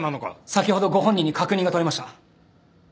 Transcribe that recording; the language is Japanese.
先ほどご本人に確認が取れました。